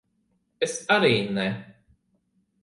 Es arī ne.